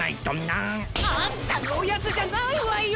あんたのおやつじゃないわよ！